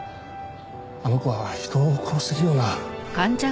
あの子は人を殺せるような。